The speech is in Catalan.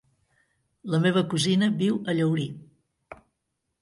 La meva cosina viu a Llaurí.